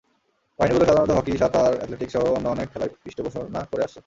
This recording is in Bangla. বাহিনীগুলো সাধারণত হকি, সাঁতার, অ্যাথলেটিকসসহ অন্য অনেক খেলাই পৃষ্ঠপোষণা করে আসছে।